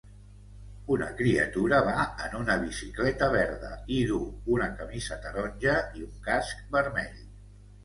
Una criatura va en una bicicleta verda i duu una camisa taronja i un casc vermell.